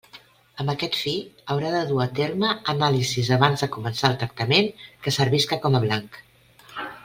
Amb aquest fi, haurà de dur a terme anàlisis abans de començar el tractament que servisca com a blanc.